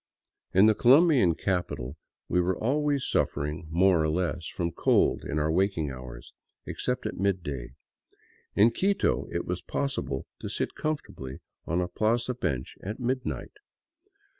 In the Colombian capital we were always suffering more or less from cold in our waking hours, except at midday; in Quito it was possible to sit comfortably on a plaza bench at midnight.